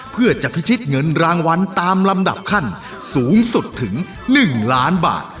เพื่อจะพิชิตเงินรางวัลตามลำดับขั้นสูงสุดถึง๑ล้านบาท